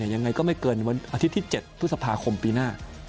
ยังไงก็ไม่เกินวันอาทิตย์ที่๗พฤษภาคมปีหน้า